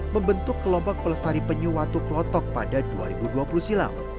membentuk kelompok pelestari penyu watu klotok pada dua ribu dua puluh silam